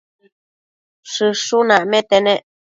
Shëshun acmete nec